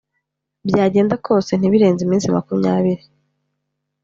byagenda kose ntibirenze iminsi makumyabiri